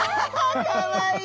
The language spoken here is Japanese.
かわいい！